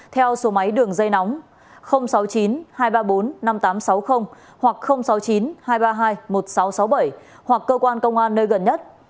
theo số máy đường dây nóng sáu mươi chín hai trăm ba mươi bốn năm nghìn tám trăm sáu mươi hoặc sáu mươi chín hai trăm ba mươi hai một nghìn sáu trăm sáu mươi bảy hoặc cơ quan công an nơi gần nhất